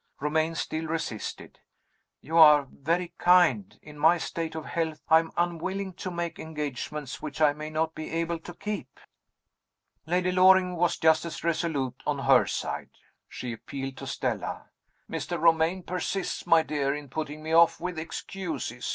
Romayne still resisted. "You are very kind. In my state of health, I am unwilling to make engagements which I may not be able to keep." Lady Loring was just as resolute on her side. She appealed to Stella. "Mr. Romayne persists, my dear, in putting me off with excuses.